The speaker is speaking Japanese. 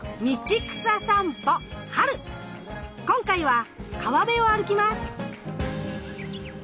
今回は川辺を歩きます。